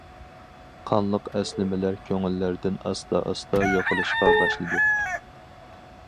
قانلىق ئەسلىمىلەر كۆڭۈللەردىن ئاستا- ئاستا يوقىلىشقا باشلىدى.